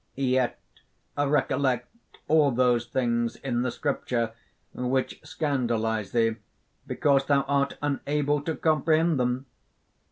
"Yet recollect all those things in the Scripture which scandalize thee because thou art unable to comprehend them!